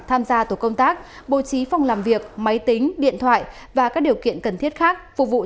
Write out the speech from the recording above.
tham gia tổ công tác bố trí phòng làm việc máy tính điện thoại và các điều kiện cần thiết khác phục vụ